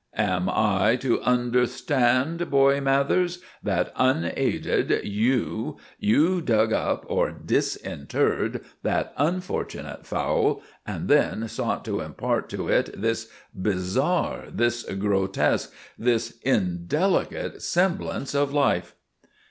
"Am I to understand, boy Mathers, that unaided you—you dug up, or disinterred, that unfortunate fowl and then sought to impart to it this bizarre, this grotesque, this indelicate semblance of life?"